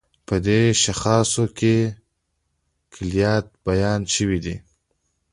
په دې شاخصو کې کُليات بیان شوي دي.